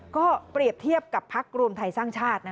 ก็เปรียบเทียบกับพักรวมไทยสร้างชาติ